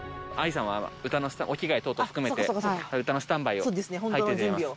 ＡＩさんは、歌のお着替え等々含めて、歌のスタンバイを。